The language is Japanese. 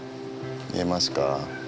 見えますか？